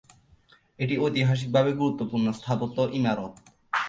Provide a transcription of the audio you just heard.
এটি ঐতিহাসিকভাবে গুরুত্বপূর্ণ স্থাপত্য ইমারত।